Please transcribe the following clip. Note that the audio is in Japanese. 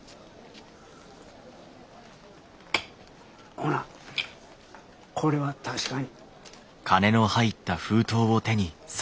ほなこれは確かに。